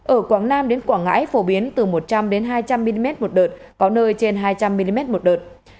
ở quảng nam đến quảng ngãi phổ biến từ một trăm linh đến ba trăm linh mm một đợt có nơi trên ba trăm năm mươi mm một đợt